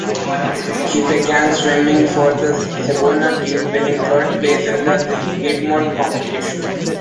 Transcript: He began swimming for the Savona team, winning third place in the Piedmont competition.